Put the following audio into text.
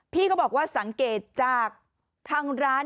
พี่ก็บอกว่าสังเกตจากทางร้าน